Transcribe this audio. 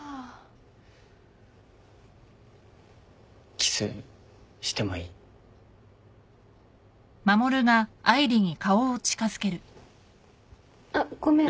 キスしてもいい？あっごめん。